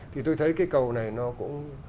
thì tôi thấy cái cầu này nó cũng